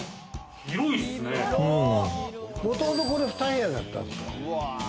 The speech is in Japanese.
もともとこれ２部屋だったんですよ。